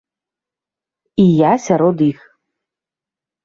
І я сярод іх.